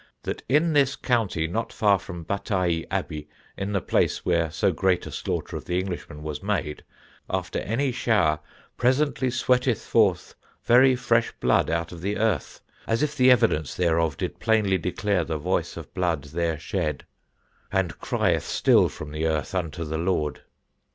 'That in this County, not far from Battail Abby, in the Place where so great a slaughter of the Englishmen was made, after any shower, presently sweateth forth very fresh blood out of the Earth, as if the evidence thereof did plainly declare the voice of Bloud there shed, and crieth still from the Earth unto the Lord.'